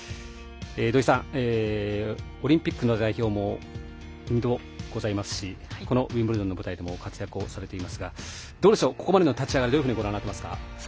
土居さん、オリンピックの代表も２度ございますしこのウィンブルドンの舞台でも活躍をされていますがここまでの立ち上がりどういうふうにご覧になっていますか？